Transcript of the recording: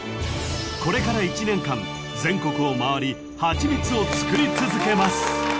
［これから１年間全国を回りハチミツを作り続けます］